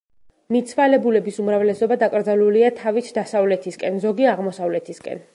მიცვალებულების უმრავლესობა დაკრძალულია თავით დასავლეთისკენ, ზოგი აღმოსავლეთისკენ.